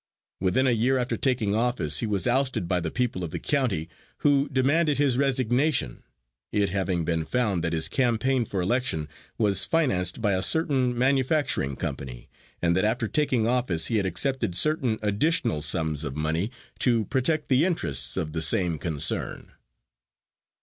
Within a year after taking office he was ousted by the people of the county, who demanded his resignation, it having been found that his campaign for election was financed by a certain manufacturing company, and that after taking office he had accepted certain additional sums of money to protect the interests of the same concern.